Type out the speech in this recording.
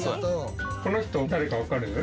この人誰かわかる？